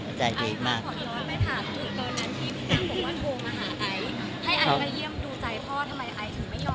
ขอร้อยไปถามตอนนั้นที่พี่มันพูดว่าพูดมาหาไอ